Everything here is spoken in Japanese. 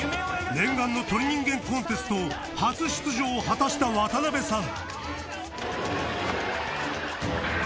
念願の鳥人間コンテスト初出場を果たした渡邊さん